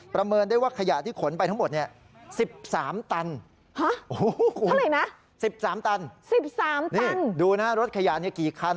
ประเมินได้ว่าขยะที่ขนไปทั้งหมดเนี่ย